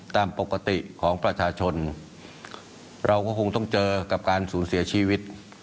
ตามปกติของประชาชนเราก็คงต้องเจอกับการสูญเสียชีวิต